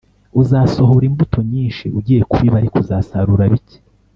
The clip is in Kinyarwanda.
“Uzasohora imbuto nyinshi ugiye kubiba, ariko uzasarura bike